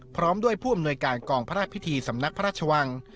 พร้อมด้วยผู้อำนวยการกองพระราชพิธีสำนักพระราชวัง